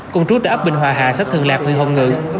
cùng trú tại ấp bình hòa hà sách thường lạc huyện hồng ngự